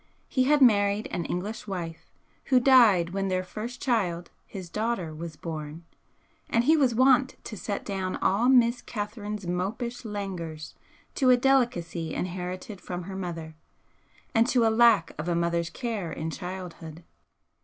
He had married an English wife, who died when their first child, his daughter, was born, and he was wont to set down all Miss Catherine's mopish languors to a delicacy inherited from her mother, and to lack of a mother's care in childhood.